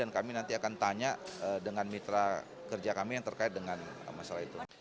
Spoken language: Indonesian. kami nanti akan tanya dengan mitra kerja kami yang terkait dengan masalah itu